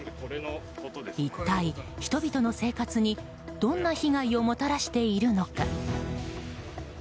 一体、人々の生活にどんな被害をもたらしているのか。